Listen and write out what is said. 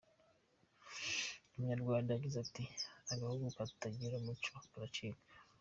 Umunyarwanda yagize ati ‘Agahugu katagira umuco karacika’.